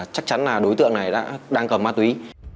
chắc chắn là đối tượng này đã đang cầm ma túy